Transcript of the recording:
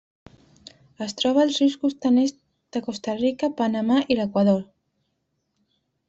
Es troba als rius costaners de Costa Rica, Panamà i l'Equador.